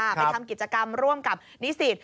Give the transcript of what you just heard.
ไปทำกิจกรรมร่วมกับนิสิต